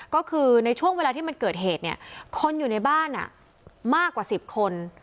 ก็คือในช่วงเวลาที่มันเกิดเหตุเนี่ยคนอยู่ในบ้านมากกว่า๑๐คน